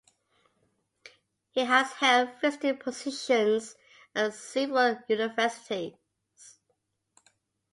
He has held visiting positions at several universities.